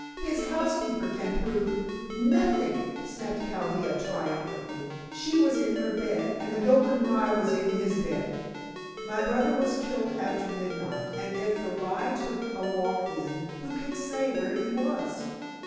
His housekeeper can prove " "Nothing," snapped Chaldea triumphantly. "She was in her bed and the golden rye was in his bed. My brother was killed after midnight, and if the rye took a walk then, who can say where he was?"